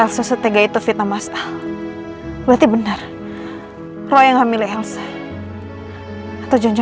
sampai jumpa di video selanjutnya